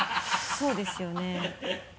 そうですよね。